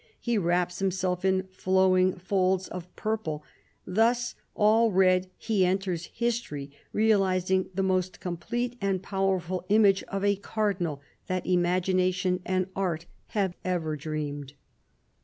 He wraps himself in flowing folds of purple. Thus, all red, he enters history, realising the most complete and powerful image of a 'cardinal' that imagi nation and art have ever dreamed."